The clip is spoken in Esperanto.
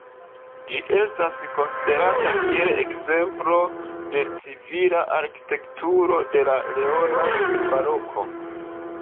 Ĝi estas konsiderata kiel ekzemplo de civila arkitekturo de la leona baroko.